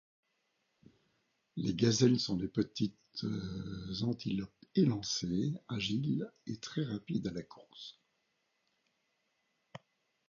Les gazelles sont des petites antilopes élancées, agiles et très rapides à la course.